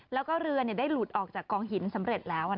แล้วก็เรือได้หลุดออกจากกองหินสำเร็จแล้ว